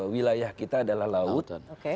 wilayah kita adalah laut